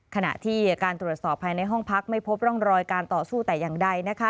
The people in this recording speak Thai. ขณะที่การตรวจสอบภายในห้องพักไม่พบร่องรอยการต่อสู้แต่อย่างใด